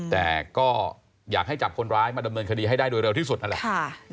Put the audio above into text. แต่ก็อยากให้จับคนร้ายมาดำเนินคดีให้ได้โดยเร็วที่สุดนั่นแหละ